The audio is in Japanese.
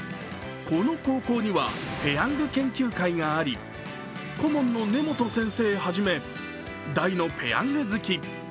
この高校にはペヤング研究会があり、顧問の根本先生はじめ、大のペヤング好き。